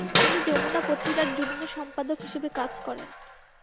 তিনি যমুনা পত্রিকার যুগ্ন সম্পাদক হিসেবে কাজ করেন।